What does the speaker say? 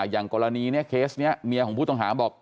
อย่างกรณีนี้เคสนี้เมียของผู้ต้องหาบอก